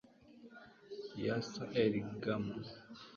Yasser El Gammal